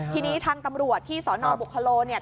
ทีนี้ทางตำรวจที่สนบุคลโศกฯ